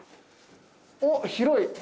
おっ広い！